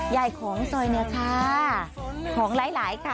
ใหญ่ของซอยเนี่ยค่ะของหลายหลายค่ะ